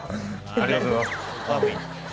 ありがとうございます